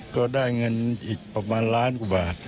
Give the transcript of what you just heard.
ก็ได้เงินอีกประมาณล้านกว่าบาท